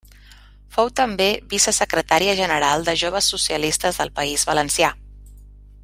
Fou també vicesecretària general de Joves Socialistes del País Valencià.